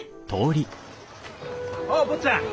おう坊ちゃん！